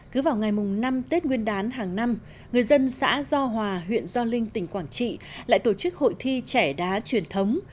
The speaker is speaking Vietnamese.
cứ vào ngày mùng năm tết nguyên đán hàng năm người dân xã do hòa huyện do linh tỉnh quảng trị lại tổ chức hội thi trẻ đá truyền thống